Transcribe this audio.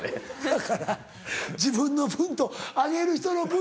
だから自分の分とあげる人の分。